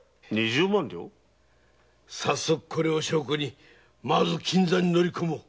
早速これを証拠にまず金座に乗り込もう。